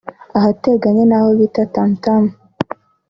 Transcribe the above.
ahateganye n’aho bita Tam- Tam